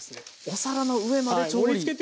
お皿の上まで調理段階。